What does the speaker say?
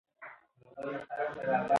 د ایران پوځ په جګړه کې سخته ماته وخوړه.